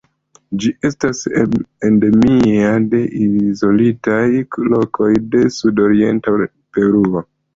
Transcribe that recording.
Ĝi estas endemia de izolitaj lokoj de sudorienta Peruo.